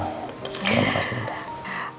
terima kasih tante